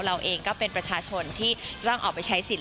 เราเองก็เป็นประชาชนที่จะต้องออกไปใช้สิทธิ